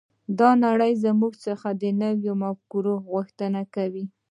دا نړۍ له موږ څخه د نويو مفکورو غوښتنه کوي.